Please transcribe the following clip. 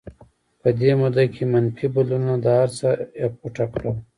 په دې موده کې منفي بدلونونو دا هرڅه اپوټه کړل